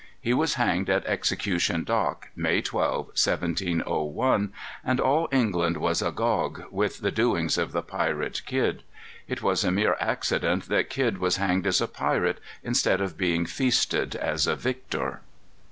He was hanged at Execution Dock, May 12, 1701; and all England was agog with the doings of the pirate Kidd. It was a mere accident that Kidd was hanged as a pirate instead of being feasted as a victor."